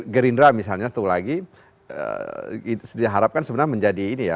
gerindra misalnya satu lagi diharapkan sebenarnya menjadi ini ya